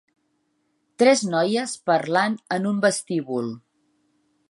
Tres noies parlant en un vestíbul.